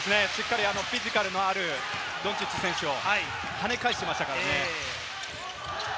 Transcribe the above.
フィジカルのあるドンチッチ選手をはね返していましたからね。